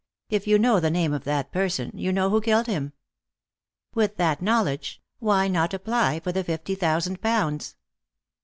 If you know the name of that person, you know who killed him. With that knowledge, why not apply for the fifty thousand pounds?"